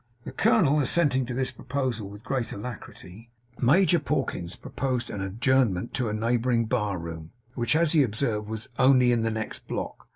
The colonel assenting to this proposal with great alacrity, Major Pawkins proposed an adjournment to a neighbouring bar room, which, as he observed, was 'only in the next block.